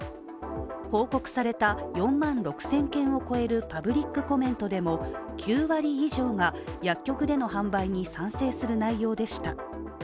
報告された４万６０００件を超えるパブリックコメントでも９割以上が薬局での販売に賛成する内容でした。